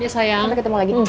sampai ketemu lagi